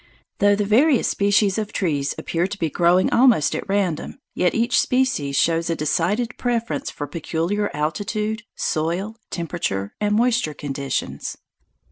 Though the various species of trees appear to be growing almost at random, yet each species shows a decided preference for peculiar altitude, soil, temperature, and moisture conditions.